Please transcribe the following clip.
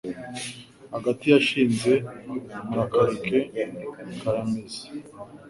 Agati yashinze murakareke karameze.